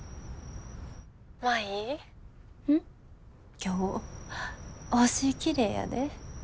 今日星きれいやで。